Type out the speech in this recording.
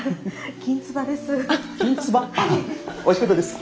きんつばです。